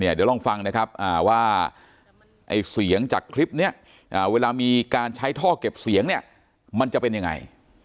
เดี๋ยวลองฟังนะครับว่าเสียงจากคลิปนี้เวลามีการใช้ท่อเก็บเสียงเนี่ยมันจะเป็นยังไง